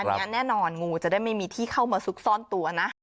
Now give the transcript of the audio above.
อันนี้แน่นอนงูจะได้ไม่มีที่เข้ามาซุกซ่อนตัวนะ